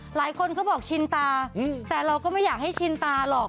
หลายคนเขาบอกชินตาแต่เราก็ไม่อยากให้ชินตาหรอก